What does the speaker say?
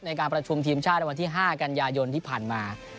ในการประชุมทีมชาติในวันที่๕กันยายนที่ผ่านมา